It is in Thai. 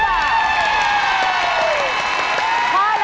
๒๙บาท